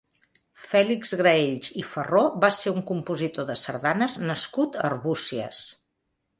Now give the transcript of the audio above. Fèlix Graells i Farró va ser un compositor de sardanes nascut a Arbúcies.